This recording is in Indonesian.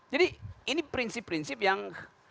jadi ini prinsip prinsip yang